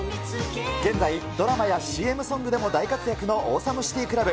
現在、ドラマやＣＭソングでも大活躍のオーサムシティクラブ。